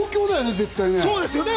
絶対ね。